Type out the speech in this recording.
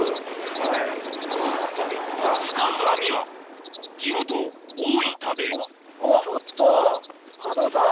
・はい・使う網は地元大分でちょっと加藤さん。